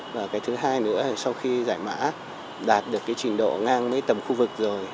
và thứ hai nữa là sau khi giải mã đạt được trình độ ngang với tầm khu vực rồi